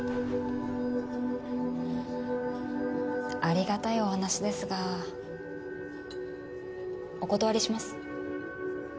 ありがたいお話ですがお断りします。